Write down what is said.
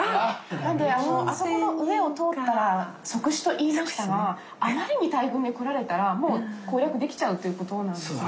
なんであのあそこの上を通ったら即死と言いましたがあまりに大軍で来られたらもう攻略できちゃうという事なんですね。